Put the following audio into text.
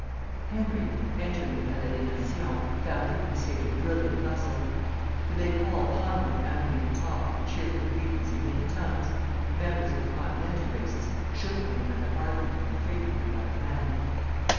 Henry, entering the Palais des Nations, found it in a state of brilliant bustle. The big hall hummed with animated talk and cheerful greetings in many tongues, and members of the continental races shook one another ardently and frequently by the hand.